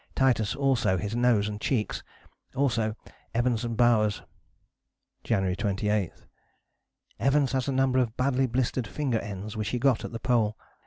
Titus also his nose and cheeks al[so] Evans and Bowers." January 28: "Evans has a number of badly blistered finger ends which he got at the Pole.